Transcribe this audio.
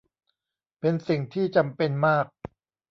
เป็นสิ่งที่จำเป็นมาก